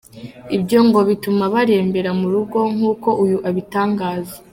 Ibyo ngo bituma barembera mu rugo, nk’uko uyu abitangaza.